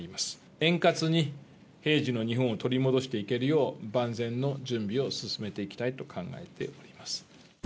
円滑に、平時の日本を取り戻していけるよう、万全の準備を進めていきたいと考えております。